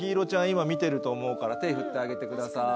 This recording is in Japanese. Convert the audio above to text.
今見てると思うから手振ってあげてください